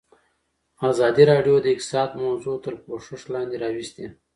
ازادي راډیو د اقتصاد موضوع تر پوښښ لاندې راوستې.